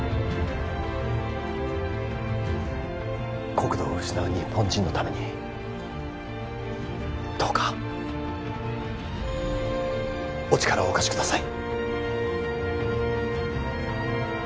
国土を失う日本人のためにどうかお力をお貸しください！